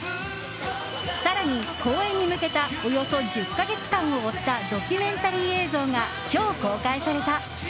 更に、公演に向けたおよそ１０か月間を追ったドキュメンタリー映像が今日、公開された。